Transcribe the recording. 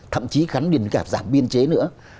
thậm chí gắn đến giảm biên chế nữa